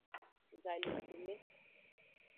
Galikume.